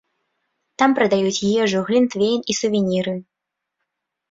Там прадаюць ежу, глінтвейн і сувеніры.